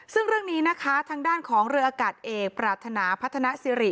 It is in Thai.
ซึ่งเรื่องนี้นะคะทางด้านของเรืออากาศเอกปรารถนาพัฒนาสิริ